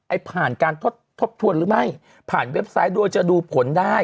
ผ่านการทดทบทวนหรือไม่ผ่านเว็บไซต์โดยจะดูผลได้